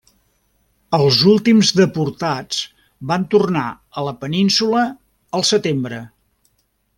Els últims deportats van tornar a la Península al setembre.